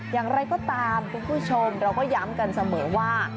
อย่างไรก็ตามคุณผู้ชมเราก็ย้ำกันเสมอว่า